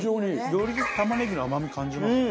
より玉ねぎの甘み感じますね。